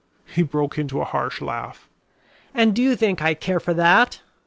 He broke into a harsh laugh. "And do you think I care for that?